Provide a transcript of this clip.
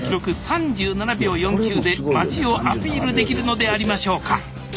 ３７秒４９で町をアピールできるのでありましょうか？